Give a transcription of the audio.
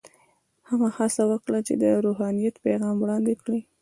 هغه هڅه وکړه چې د روحانیت پیغام وړاندې کړي.